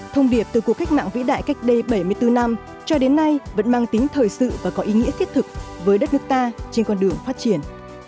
thông điệp từ cuộc cách mạng vĩ đại cách đây bảy mươi bốn năm cho đến nay vẫn mang tính thời sự và có ý nghĩa thiết thực với đất nước ta trên con đường phát triển